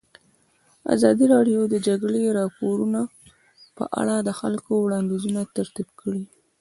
ازادي راډیو د د جګړې راپورونه په اړه د خلکو وړاندیزونه ترتیب کړي.